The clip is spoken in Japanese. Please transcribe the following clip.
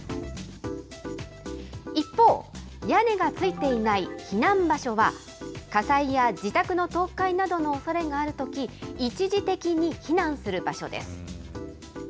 一方、屋根が付いていない避難場所は、火災や自宅の倒壊などのおそれがあるとき、一時的に避難する場所です。